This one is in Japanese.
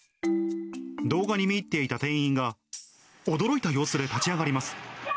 動画に見入っていた店員が、驚いた様子で立ち上がります。